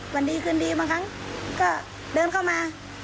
วันดีคืนดีบางครั้งก็เดินเข้ามา